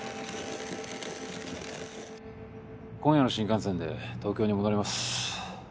今夜の新幹線で東京に戻ります。